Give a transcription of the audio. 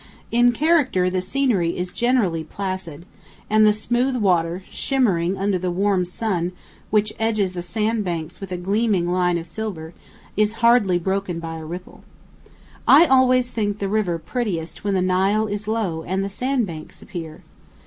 In character the scenery is generally placid, and the smooth water, shimmering under the warm sun which edges the sand banks with a gleaming line of silver, is hardly broken by a ripple. I always think the river prettiest when the Nile is low and the sand banks appear.